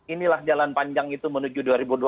inilah jalan panjang itu menuju dua ribu dua puluh empat